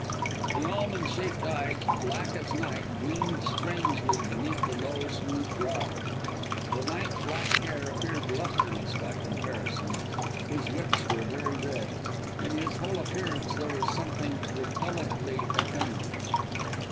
The almond shaped eyes, black as night, gleamed strangely beneath the low, smooth brow. The lank black hair appeared lustreless by comparison. His lips were very red. In his whole appearance there was something repellently effeminate.